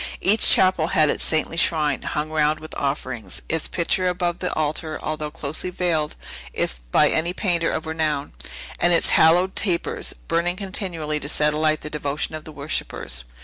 Each chapel had its saintly shrine, hung round with offerings; its picture above the altar, although closely veiled, if by any painter of renown; and its hallowed tapers, burning continually, to set alight the devotion of the worshippers.